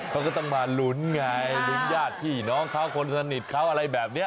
เขาก็ต้องมาลุ้นไงลุ้นญาติพี่น้องเขาคนสนิทเขาอะไรแบบนี้